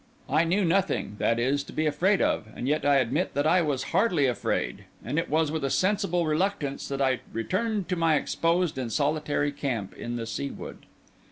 I knew nothing, that is, to be afraid of, and yet I admit that I was heartily afraid; and it was with a sensible reluctance that I returned to my exposed and solitary camp in the Sea Wood.